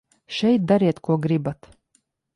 Šeit dariet, ko gribat.